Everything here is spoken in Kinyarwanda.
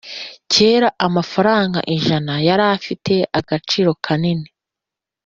kera amafaranga ijana yarafite agaciro kanini